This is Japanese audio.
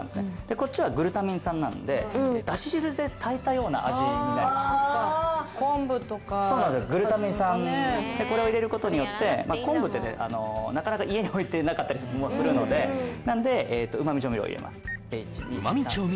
こっちはグルタミン酸なんでそっかそうなんすよグルタミン酸でこれを入れることによって昆布ってねなかなか家に置いてなかったりもするのでなんでうま味調味料を入れます